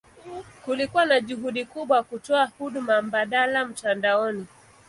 Kulikuwa na juhudi kubwa kutoa huduma mbadala mtandaoni.